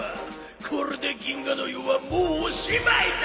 これで銀河ノ湯はもうおしまいだ！